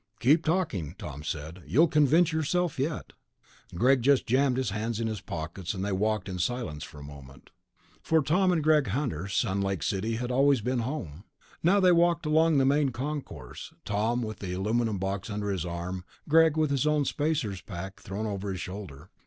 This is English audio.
"Keep talking," Tom said. "You'll convince yourself yet." Greg just jammed his hands in his pockets, and they walked in silence for a moment. For Tom and Greg Hunter, Sun Lake City had always been home. Now they walked along the Main Concourse, Tom with the aluminum box under his arm, Greg with his own spacer's pack thrown over his shoulder.